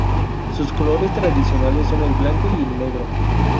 Sus colores tradicionales son el blanco y el negro.